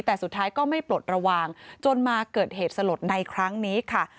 แต่สุดท้ายก็ไม่ปลดระวังจนมาเกิดเหตุสลดในครั้งนี้ค่ะ